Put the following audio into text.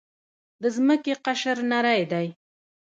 د ځمکې قشر نری دی.